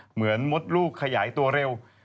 เหมือนมดลูกขยายตัวเร็ว